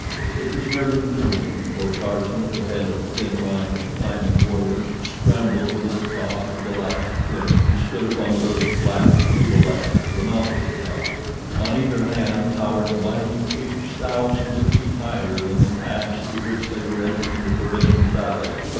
It was nearly noon before Tarzan, who headed the thin line of climbing warriors, scrambled over the top of the last cliff and stood upon the little flat table land of the mountaintop. On either hand towered mighty peaks thousands of feet higher than the pass through which they were entering the forbidden valley.